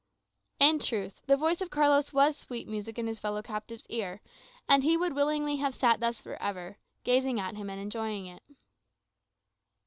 In truth, the voice of Carlos was sweet music in his fellow captive's ear; and he would willingly have sat thus for ever, gazing at him and enjoying it.